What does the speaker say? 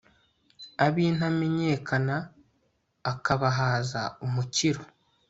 ab'intamenyekana akabahaza umukiro